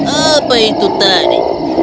apa itu tadi